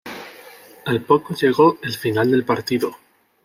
Al poco llegó el final del partido.